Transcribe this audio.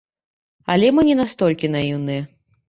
Але мы не настолькі наіўныя.